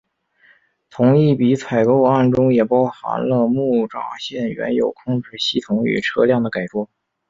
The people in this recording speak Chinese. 同一笔采购案中也包含了木栅线原有控制系统与车辆的改装。